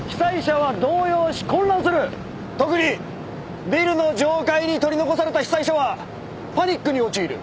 特にビルの上階に取り残された被災者はパニックに陥る。